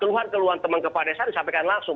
keluhan keluhan teman kepada saya disampaikan langsung